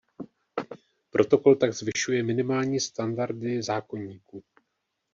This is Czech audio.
Protokol tak zvyšuje minimální standardy Zákoníku.